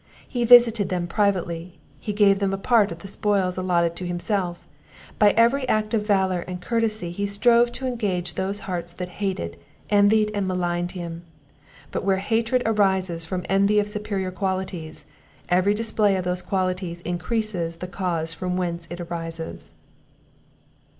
He visited them privately; he gave them a part of the spoils allotted to himself; by every act of valour and courtesy he strove to engage those hearts that hated, envied, and maligned him: But where hatred arises from envy of superior qualities, every display of those qualities increases the cause from whence it arises.